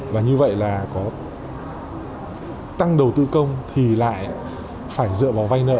và như vậy là có tăng đầu tư công thì lại phải dựa vào vay nợ